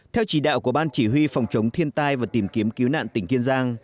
theo chỉ đạo của ban chỉ huy phòng chống thiên tai và tìm kiếm cứu nạn tỉnh kiên giang